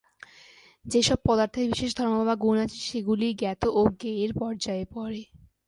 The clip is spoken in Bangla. যে-সব পদার্থের বিশেষ ধর্ম বা গুণ আছে, সেগুলিই জ্ঞাত ও জ্ঞেয়ের পর্যায়ে পড়ে।